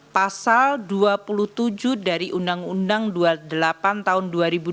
pasal dua puluh tujuh dari undang undang dua puluh delapan tahun dua ribu dua